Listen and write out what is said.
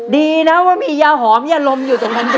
ดีนะว่ามียาหอมยาลมอยู่ตรงนั้นเยอะ